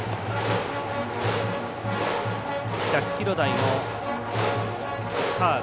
１００キロ台のカーブ。